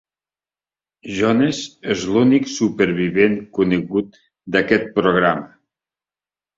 Jones és l'únic supervivent conegut d'aquest programa.